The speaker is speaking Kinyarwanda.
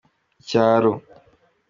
icyaro.